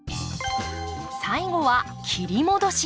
最後は切り戻し。